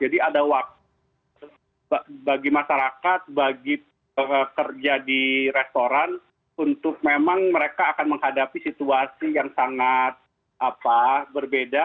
jadi ada waktu bagi masyarakat bagi pekerja di restoran untuk memang mereka akan menghadapi situasi yang sangat berbeda